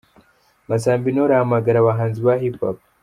Masamba Intore ahamagara abahanzi ba Hip hop.